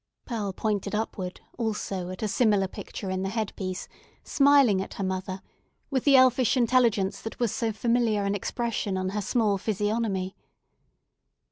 Pearl pointed upwards also, at a similar picture in the head piece; smiling at her mother, with the elfish intelligence that was so familiar an expression on her small physiognomy.